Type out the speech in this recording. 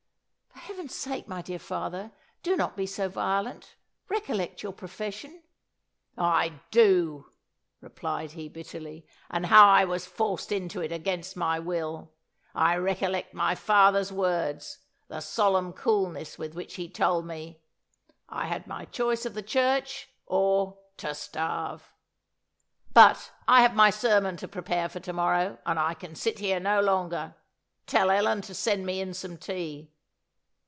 "For Heaven's sake, my dear father, do not be so violent recollect your profession." "I do," replied he bitterly; "and how I was forced into it, against my will. I recollect my father's words, the solemn coolness with which he told me, `I had my choice of the Church, or to starve.' But I have my sermon to prepare for to morrow, and I can sit here no longer. Tell Ellen to send me in some tea."